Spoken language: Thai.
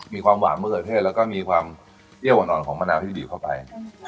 มีความหวานมะเขือเทศแล้วก็มีความเปรี้ยวอ่อนของมะนาวที่ดีเข้าไป